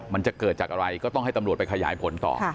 มันจะเกิดจากอะไรก็ต้องให้ตำรวจไปขยายผลต่อ